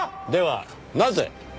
ではなぜ。